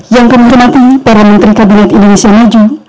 yang kami hormati para menteri kabinet indonesia maju